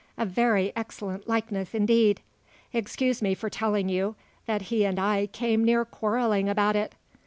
A very excellent likeness, indeed. Excuse me for telling you, that he and I came near quarrelling about it.